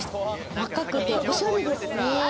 若くておしゃれですね。